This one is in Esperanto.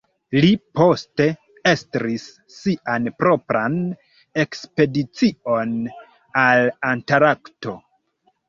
Li poste estris sian propran ekspedicion al Antarkto.